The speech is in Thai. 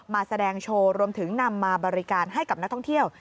มาแสดงโชว์รวมถึงนำมาบริการให้กับนักท่องเที่ยว